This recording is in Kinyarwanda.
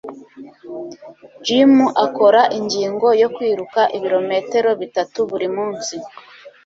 Jim akora ingingo yo kwiruka ibirometero bitatu buri munsi.